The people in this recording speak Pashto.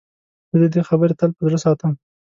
زه د ده خبرې تل په زړه ساتم.